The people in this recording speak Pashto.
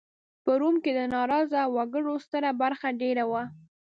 په روم کې د ناراضه وګړو ستره برخه دېره وه